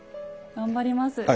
頑張ります。